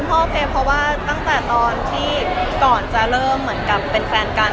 คุณพ่อโอเคค่ะคุณพ่อโอเคเพราะว่าตั้งแต่ตอนที่ก่อนจะเริ่มเหมือนกับเป็นแฟนกัน